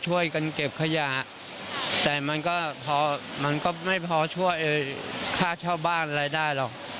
ช่วยกันเก็บขยะแต่มันก็พอมันก็ไม่พอช่วยค่าเช่าบ้านอะไรได้หรอก